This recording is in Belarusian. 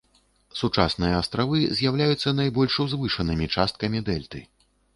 Сучасныя астравы з'яўляюцца найбольш узвышанымі часткамі дэльты.